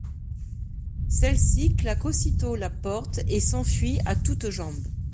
Celle-ci claque aussitôt la porte et s'enfuit à toutes jambes.